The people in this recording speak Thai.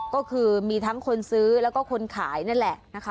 ก็คือมีทั้งคนซื้อแล้วก็คนขายนั่นแหละนะคะ